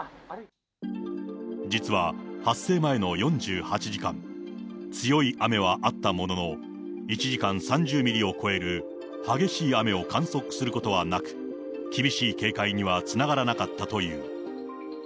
実は発生前の４８時間、強い雨はあったものの、１時間３０ミリを超える激しい雨を観測することはなく、厳しい警戒にはつながらなかったという。